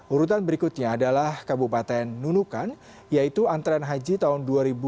urutan berikutnya adalah kabupaten nunukan yaitu antrean haji tahun dua ribu dua puluh